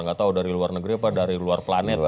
gak tahu dari luar negeri apa dari luar planet gitu ya